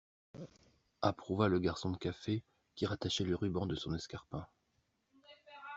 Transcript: Approuva le garçon de café qui rattachait le ruban de son escarpin.